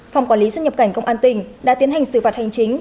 phòng quản lý xuất nhập cảnh công an tỉnh đã tiến hành xử phạt hành chính